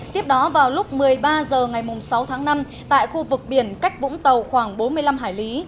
tiếp đó vào lúc một mươi ba h ngày sáu tháng năm tại khu vực biển cách vũng tàu khoảng bốn mươi năm hải lý